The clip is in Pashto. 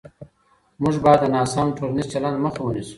موږ باید د ناسم ټولنیز چلند مخه ونیسو.